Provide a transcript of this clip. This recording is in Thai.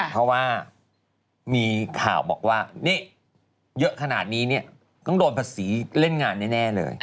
เพราะว่ามีข่าวบอกว่านี่เยอะขนาดนี้เนี่ยต้องโดนภาษีเล่นงานแน่เลย